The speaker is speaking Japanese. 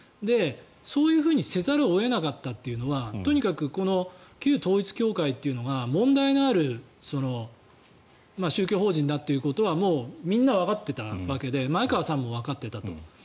そういうふうにせざるを得なかったというのはとにかく旧統一教会というのが問題がある宗教法人だということはもうみんなわかってたわけで前川さんもわかっていたと。